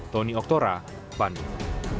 tony oktora bandung